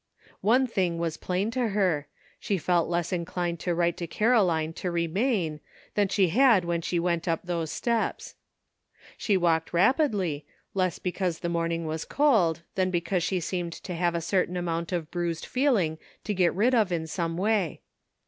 One thing was plain to her; »he felt less inclined to write to Caroline to re * 198 CONFLICTING ADVICE. main than she had when she went up those steps. She walked rapidly, less because the morning was cold, than because she seemed to have a certain amount of bruised feeling to get rid of in some way.